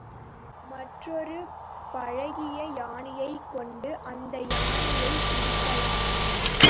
மற்றொரு பழகிய யானையைக் கொண்டு அந்த யானையைப் பிடிக்கலாம்.